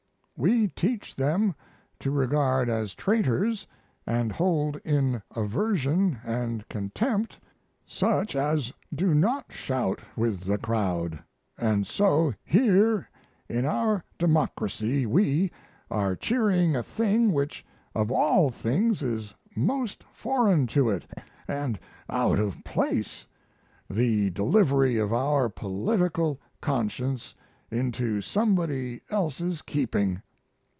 We teach them to regard as traitors, and hold in aversion and contempt, such as do not shout with the crowd, & so here in our democracy we are cheering a thing which of all things is most foreign to it & out of place the delivery of our political conscience into somebody else's keeping.